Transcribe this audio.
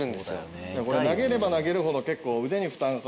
投げれば投げるほど結構腕に負担が。